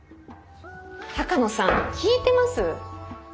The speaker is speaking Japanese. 鷹野さん聞いてます？